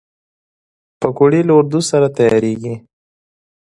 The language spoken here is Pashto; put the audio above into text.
پکورې له آردو سره تیارېږي